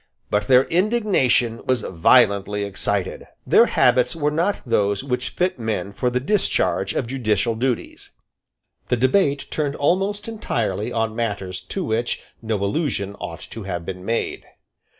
But their indignation was violently excited. Their habits were not those which fit men for the discharge of judicial duties. The debate turned almost entirely on matters to which no allusion ought to have been made.